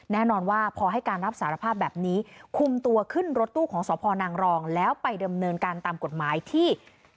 แน่นอนว่าพอให้การรับสารภาพแบบนี้คุมตัวขึ้นรถตู้ของสพนางรองแล้วไปดำเนินการตามกฎหมายที่